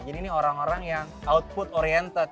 jadi ini orang orang yang output oriented